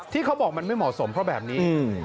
ที่เขาบอกมันไม่เหมาะสมเพราะแบบนี้